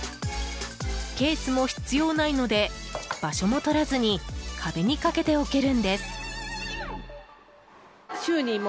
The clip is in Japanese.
ケースも必要ないので場所もとらずに壁にかけておけるんです。